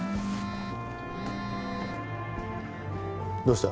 どうした？